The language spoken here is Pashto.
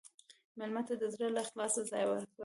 مېلمه ته د زړه له اخلاصه ځای ورکړه.